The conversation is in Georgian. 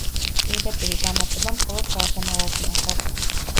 პირდაპირი დამატება მხოლოდ გარდამავალ ზმნას აქვს.